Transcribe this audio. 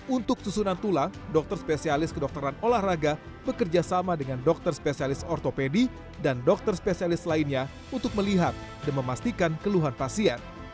untuk susunan tulang dokter spesialis kedokteran olahraga bekerja sama dengan dokter spesialis ortopedi dan dokter spesialis lainnya untuk melihat dan memastikan keluhan pasien